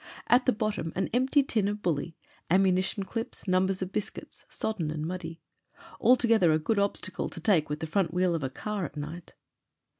At the bottom an empty tin of bully, ammtmition clips, numbers of biscuits — sodden and muddy. Altogether a good obstacle to take with the front wheel of a car at night.